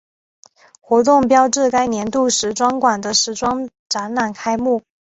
活动标志该年度时装馆的时装展览开幕。